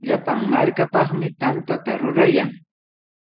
Llapan markapaqmi tantata rurayan.